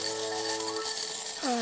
あ。